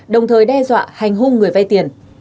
đồng thời đe dọa hành hung người vay tiền